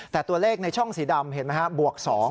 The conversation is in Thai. แต่ตัวเลขในช่องสีดำเห็นไหมฮะบวก๒